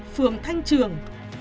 phường thanh trường